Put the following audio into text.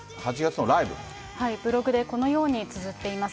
ブログで、このようにつづっています。